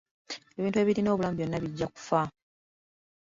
Ebintu ebirina obulamu byonna bijja kufa.